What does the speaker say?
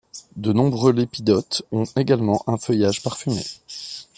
De nombreux lépidotes ont également un feuillage parfumé.